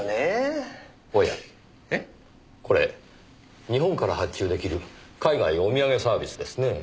おやこれ日本から発注出来る海外お土産サービスですねぇ。